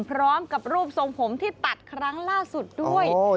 พร้อมกับรูปทรงผมที่ตัดครั้งล่าสุดด้วย